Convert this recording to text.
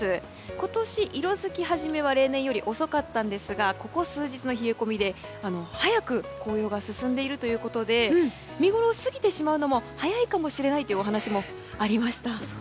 今年、色づき始めは例年より遅かったんですがここ数日の冷え込みで早く紅葉が進んでいるということで見ごろを過ぎてしまうのも早いかもしれないというお話もありました。